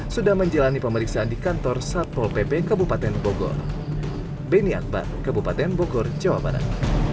sudah menjalani pemeriksaan di kantor satpol pp kabupaten bogor beni akbar kabupaten bogor jawa barat